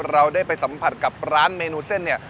เราได้ไปสัมผัสกับร้านเมนูเส้นเนี่ย